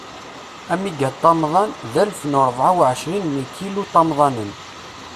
Amigaṭamḍan, d alef u rebɛa u ɛecrin n ikiluṭamḍanen.